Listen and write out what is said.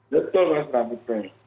betul mas pak betul